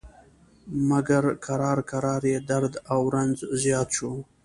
مګر کرار کرار یې درد او رنځ زیات شو.